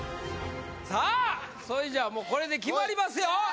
さあそれじゃあもうこれで決まりますよ！